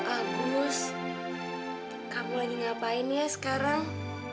agus aku lagi ngapain ya sekarang